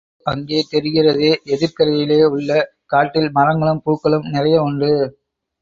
அதோ அங்கே தெரிகிறதே, எதிர்க்கரையிலே உள்ள காட்டில் மரங்களும் பூக்களும் நிறைய உண்டு.